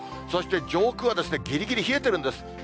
そして上空はですね、ぎりぎり冷えてるんです。